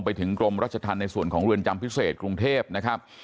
ไปถึงกรมรัชธรรมในส่วนของเรือนจำพิเศษกรุงเทพนะครับ